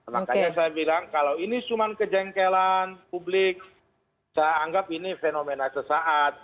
makanya saya bilang kalau ini cuma kejengkelan publik saya anggap ini fenomena sesaat